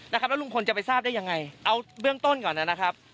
แล้วลุงพลจะไปทราบได้ยังไงเอาเบื้องต้นก่อนนะครับ